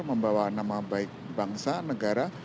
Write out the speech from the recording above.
membawa nama baik bangsa negara